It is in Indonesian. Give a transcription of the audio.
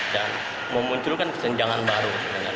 dan memunculkan kesenjangan baru